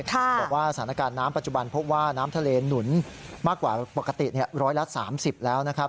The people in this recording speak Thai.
บอกว่าสถานการณ์น้ำปัจจุบันพบว่าน้ำทะเลหนุนมากกว่าปกติร้อยละ๓๐แล้วนะครับ